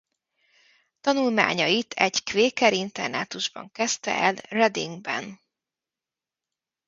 Tanulmányait egy kvéker internátusban kezdte el Readingben.